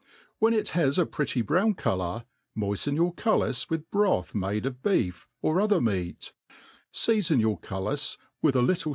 When It has a pretty brown colour, moiften your cuUis with broth marie of b^f, or other meat; feafon your cullis with a little